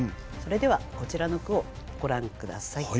それではこちらの句をご覧下さい。